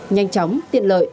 nhanh chóng tiện lợi